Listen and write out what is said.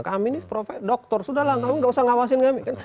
kami ini dokter sudah lah kamu nggak usah ngawasin kami